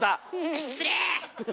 失礼！